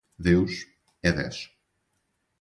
Deus é dez.